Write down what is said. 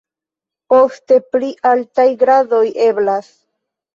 Poste pli altaj gradoj eblas.